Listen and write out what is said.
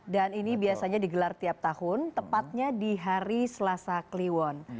dan ini biasanya digelar tiap tahun tepatnya di hari selasa kliwon